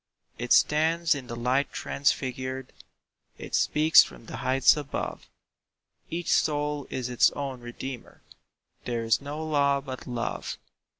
It stands in the light transfigured, It speaks from the heights above, "Each soul is its own redeemer; There is no law but Love."